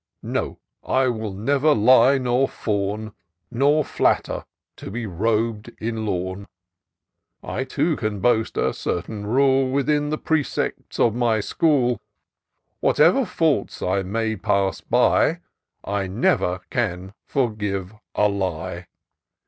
No— I will never lie nor fawn. Nor flatter, to be rob'd in lawn. I too, can boast a certain rule Within the precincts of my school : Whatever faults I may pass by, I never can forgive a lie.